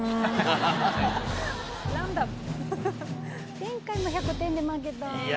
前回も１００点で負けた。